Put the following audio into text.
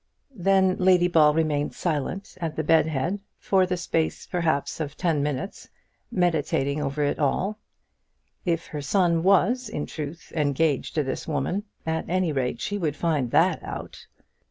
Then Lady Ball remained silent at the bed head for the space, perhaps, of ten minutes, meditating over it all. If her son was, in truth, engaged to this woman, at any rate she would find that out.